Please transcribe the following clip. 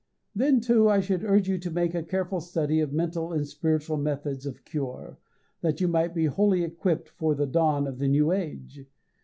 Then, too, I should urge you to make a careful study of mental and spiritual methods of cure, that you might be wholly equipped for the dawn of the new age.